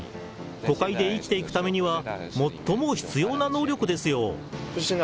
都会で生きていくためには最も必要な能力ですよ。